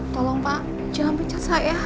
tolong pak jangan pecat